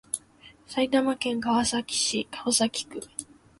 埼玉県川崎市川崎区